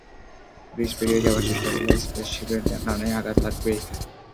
Bridge পেরিয়ে যাওয়ার চেষ্টা করলে স্পেসশিপের ডানায় আঘাত লাগবেই।